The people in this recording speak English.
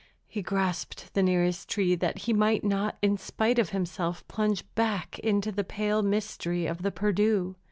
He grasped the nearest tree, that he might not, in spite of himself, plunge back into the pale mystery of the Perdu.